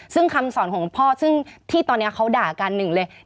ซึ่งคำสอนของพ่อซึ่งที่ตอนนี้เขาด่ากันหนึ่งเลย